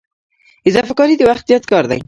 اضافه کاري د وخت زیات کار دی